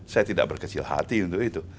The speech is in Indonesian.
saya tidak berkecil hati untuk itu